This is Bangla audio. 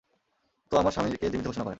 তো আমার স্বামীকে জীবিত ঘোষণা করেন।